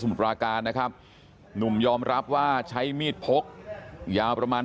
ปราการนะครับหนุ่มยอมรับว่าใช้มีดพกยาวประมาณ